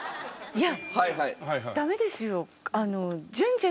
いや。